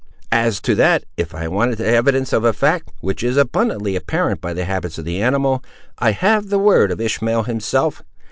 "As to that, if I wanted evidence of a fact, which is abundantly apparent by the habits of the animal, I have the word of Ishmael himself.